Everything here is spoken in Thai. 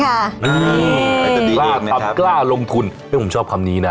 กล้าทำกล้าลงทุนเพราะฉะนั้นผมชอบคำนี้นะ